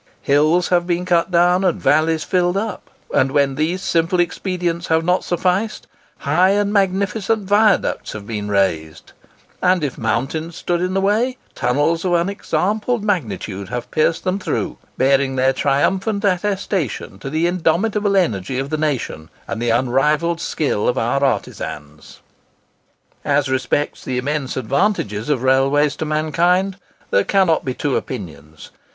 Hills have been cut down and valleys filled up; and when these simple expedients have not sufficed, high and magnificent viaducts have been raised, and if mountains stood in the way, tunnels of unexampled magnitude have pierced them through, bearing their triumphant attestation to the indomitable energy of the nation, and the unrivalled skill of our artisans." As respects the immense advantages of railways to mankind, there cannot be two opinions.